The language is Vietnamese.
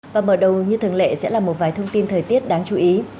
và mở đầu như thường lệ sẽ là một vài thông tin thời tiết đáng chú ý